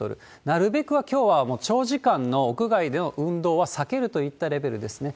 なるべくは、きょうは長時間の屋外での運動は避けるといったレベルですね。